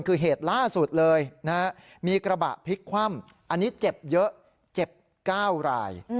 คือเหตุล่าสุดเลยนะฮะมีกระบะพลิกคว่ำอันนี้เจ็บเยอะเจ็บ๙ราย